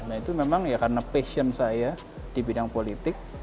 nah itu memang ya karena passion saya di bidang politik